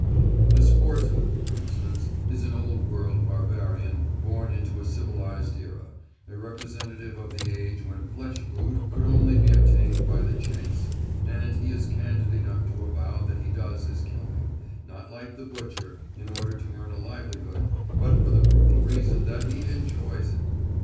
The sportsman, for instance, is an old world barbarian born into a civilised era, a representative of the age when flesh food could only be obtained by the chase, and he is candid enough to avow that he does his killing, not like the butcher, in order to earn a livelihood, but for the brutal reason that he enjoys it.